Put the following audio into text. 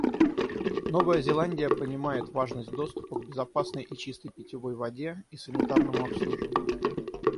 Новая Зеландия понимает важность доступа к безопасной и чистой питьевой воде и санитарному обслуживанию.